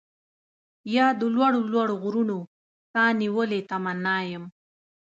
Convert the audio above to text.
يا د لوړو لوړو غرونو، ساه نيولې تمنا يم